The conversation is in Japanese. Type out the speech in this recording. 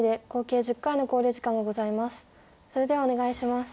それではお願いします。